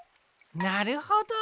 なるほど。